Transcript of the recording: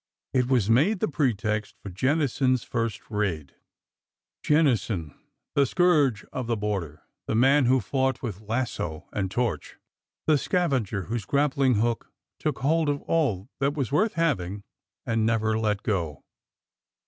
It was made the pretext for Jennison's first raid— Jen nison, the scourge of the border, the man who fought with lasso and torch ! the scavenger whose grappling hook took hold on all that was worth having and never let go!